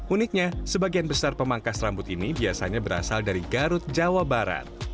uniknya sebagian besar pemangkas rambut ini biasanya berasal dari garut jawa barat